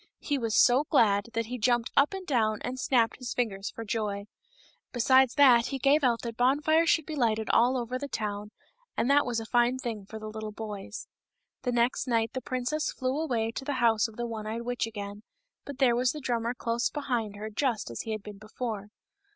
He was so glad that he jumped up and down and snapped his fingers for joy. Besides that he gave out that bonfires should be lighted all over the town, and that was a fine thing for the little boys. The next night the princess flew away to the house of the one eyed witch again, but there was the drummer close behind her just as he had been before.